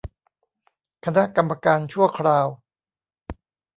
คณะกรรมการชั่วคราว